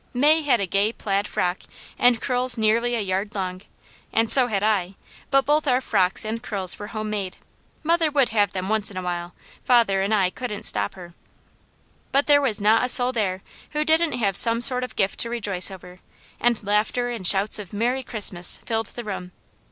May had a gay plaid frock and curls nearly a yard long, and so had I, but both our frocks and curls were homemade; mother would have them once in a while; father and I couldn't stop her. But there was not a soul there who didn't have some sort of gift to rejoice over, and laughter and shouts of "Merry Christmas!" filled the room.